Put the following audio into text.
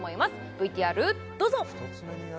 ＶＴＲどうぞ！